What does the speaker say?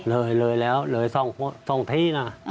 เลยเลยแล้วเลย๒ที่นะ